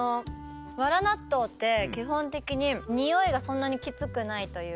わら納豆って基本的に匂いがそんなにきつくないというか。